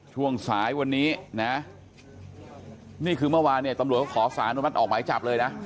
ช่วงสายวันนี้นะนี่คือเมื่อวานเนี่ยตำรวจเขาขอสารอนุมัติออกหมายจับเลยนะ